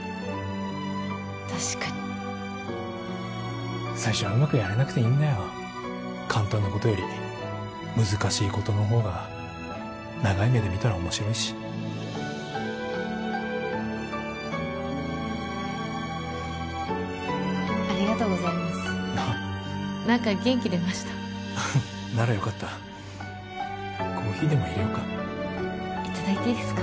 確かに最初はうまくやれなくていいんだよ簡単なことより難しいことの方が長い目で見たら面白いしありがとうございます何か元気出ましたならよかったコーヒーでもいれようかいただいていいですか？